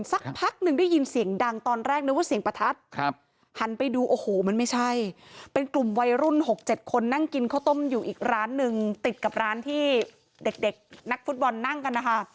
ติดกับร้านที่เด็กนักฟุตบอลนั่งกันนะคะ